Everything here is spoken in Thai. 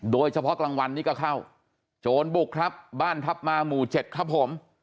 โดยเฉพาะกลางวันนี้ก็เข้าโจรบุกครับบ้านทัพมาหมู่๗ครับผม